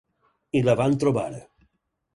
I la van trobar.